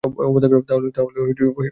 তাহলে তাই সই!